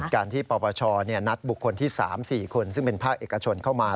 การที่ปปชนัดบุคคลที่๓๔คนซึ่งเป็นภาคเอกชนเข้ามา